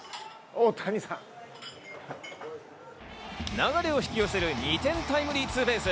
流れを引き寄せる２点タイムリーツーベース。